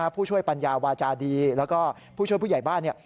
ผู้ช่วยปัญญาวาจาดีแล้วก็ผู้ช่วยผู้ใหญ่บ้านเนี่ย